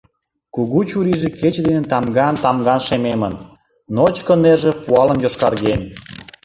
Кугу чурийже кече дене тамган-тамган шемемын, ночко нерже пуалын йошкарген.